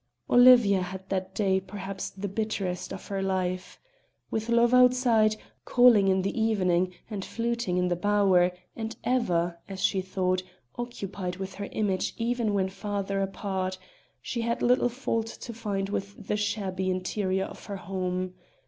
Olivia had that day perhaps the bitterest of her life. With love outside calling in the evening and fluting in the bower, and ever (as she thought) occupied with her image even when farther apart she had little fault to find with the shabby interior of her home.